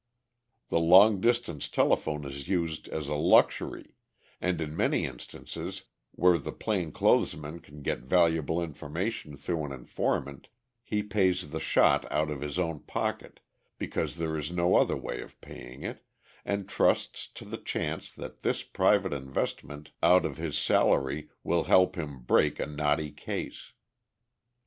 The long distance telephone is used as a luxury, and in many instances where the plain clothes man can get valuable information through an informant he pays the shot out of his own pocket because there is no other way of paying it, and trusts to the chance that this private investment out of his salary will help him "break" a knotty case.